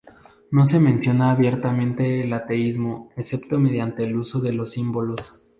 No se menciona abiertamente el ateísmo excepto mediante el uso de los símbolos.